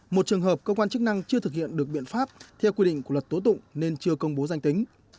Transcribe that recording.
một trường hợp cơ quan chức năng chưa thực hiện được biện pháp theo quy định của luật tố tụng nên chưa công bố danh tính